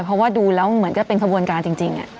เพราะว่าดูแล้วเหมือนจะเป็นขบวนการจริง